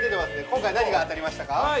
今回何が当たりましたか？